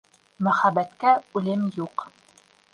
Мөхәббәткә үлем юҡ.